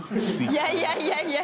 いやいやいや。